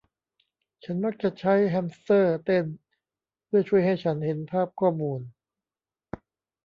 ฉันมักจะใช้แฮมสเตอร์เต้นเพื่อช่วยให้ฉันเห็นภาพข้อมูล